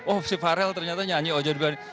oh si farel ternyata nyanyi ojo di bandingke